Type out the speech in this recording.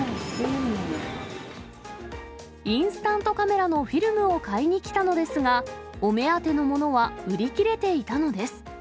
インスタントカメラのフィルムを買いにきたのですが、お目当てのものは売り切れていたのです。